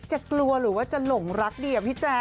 กลัวหรือว่าจะหลงรักดีอะพี่แจ๊